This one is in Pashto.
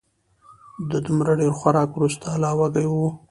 د دومره ډېر خوراک وروسته لا وږی و